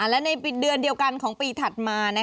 และในเดือนเดียวกันของปีถัดมา